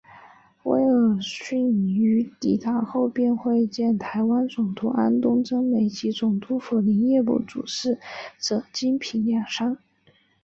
威尔荪于抵达后便会见台湾总督安东贞美及总督府林业部主事者金平亮三。